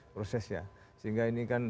prosesnya sehingga ini kan